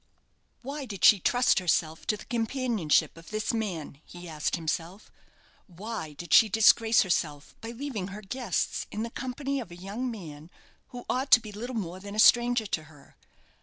"Why did she trust herself to the companionship of this man?" he asked himself. "Why did she disgrace herself by leaving her guests in the company of a young man who ought to be little more than a stranger to her?